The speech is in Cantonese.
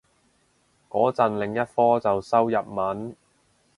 個陣另一科就修日文